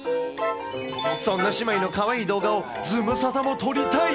そんな姉妹のかわいい動画を、ズムサタも撮りたい！